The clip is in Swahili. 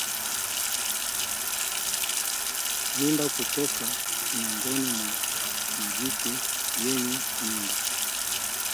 Mimba kutoka miongoni mwa majike yenye mimba